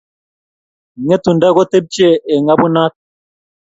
Ng'etundo kotepche eng ngabunat.